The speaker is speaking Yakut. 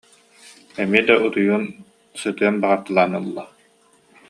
Эмиэ да утуйуон, сытыан баҕарталаан ылара